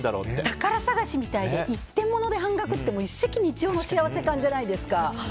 宝探しみたいで一点もので半額って一石二鳥の幸せ感じゃないですか。